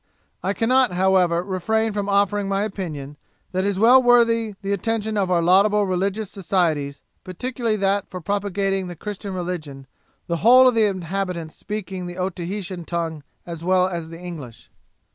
'I cannot, however, refrain from offering my opinion, that it is well worthy the attention of our laudable religious societies, particularly that for propagating the Christian religion, the whole of the inhabitants speaking the Otaheitan tongue as well as the English.